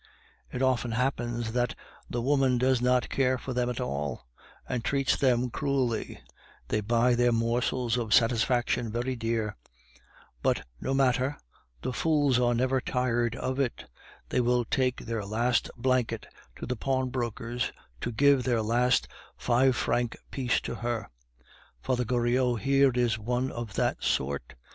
It often happens that the woman does not care for them at all, and treats them cruelly; they buy their morsels of satisfaction very dear; but no matter, the fools are never tired of it; they will take their last blanket to the pawnbroker's to give their last five franc piece to her. Father Goriot here is one of that sort.